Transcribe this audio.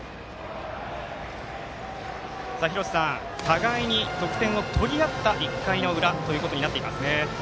廣瀬さん、互いに得点を取りあった１回の裏となりました。